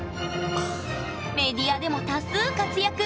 メディアでも多数活躍！